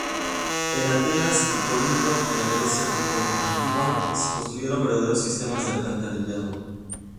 En Atenas y Corinto, en la Grecia antigua, se construyeron verdaderos sistemas de alcantarillado.